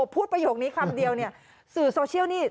ประโยคนี้คำเดียวเนี่ยสื่อโซเชียลนี่